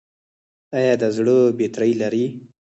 ایا د زړه بطرۍ لرئ؟